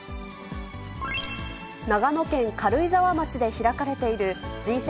長野県軽井沢町で開かれているＧ７